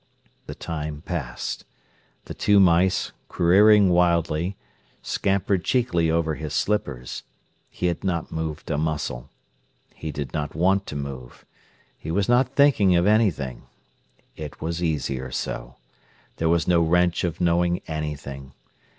The time passed. The two mice, careering wildly, scampered cheekily over his slippers. He had not moved a muscle. He did not want to move. He was not thinking of anything. It was easier so. There was no wrench of knowing anything.